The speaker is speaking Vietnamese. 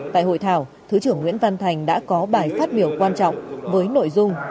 tại hội thảo thứ trưởng nguyễn văn thành đã có bài phát biểu quan trọng với nội dung